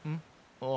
ああ。